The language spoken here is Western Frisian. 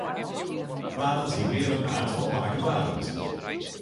Barend hie mear it aard fan pake Barend.